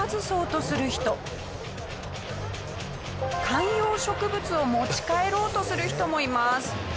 観葉植物を持ち帰ろうとする人もいます。